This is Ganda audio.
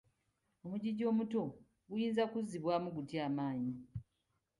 Omugigi omuto guyinza kuzzibwamu gutya amaanyi?